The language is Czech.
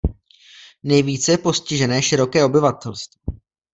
Nejvíce je postižené široké obyvatelstvo.